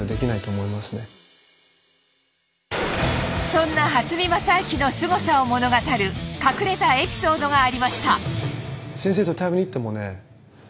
そんな初見良昭のすごさを物語る隠れたエピソードがありました。